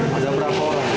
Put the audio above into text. pada berapa orang